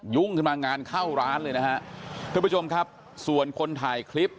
ยุ่งขึ้นมางานเข้าร้านเลยนะฮะทุกผู้ชมครับส่วนคนถ่ายคลิป